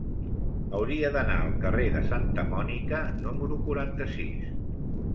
Hauria d'anar al carrer de Santa Mònica número quaranta-sis.